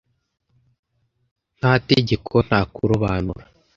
Nta tegeko nta kurobanura.